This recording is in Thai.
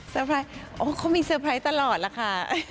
เซอร์ไพรส์โอ้โฮเขามีเซอร์ไพรส์ตลอดล่ะค่ะ